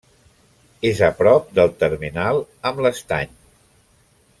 És a prop del termenal amb l'Estany.